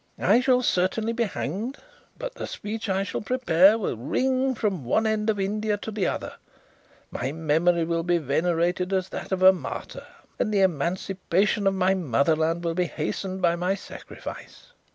"I shall certainly be hanged, but the speech I shall prepare will ring from one end of India to the other; my memory will be venerated as that of a martyr; and the emancipation of my motherland will be hastened by my sacrifice."